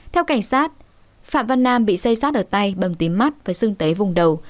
theo cảnh sát phạm văn nam bị xây sát ở tay bầm tím mắt và xưng tấy vùng đầu